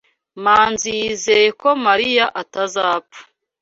Manzi yizeye ko Mariya atazapfa.